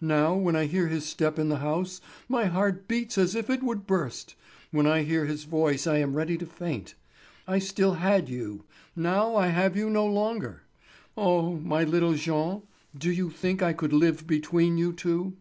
Now, when I hear his step in the house my heart beats as if it would burst, when I hear his voice I am ready to faint. I still had you; now I have you no longer. Oh, my little Jean! Do you think I could live between you two?"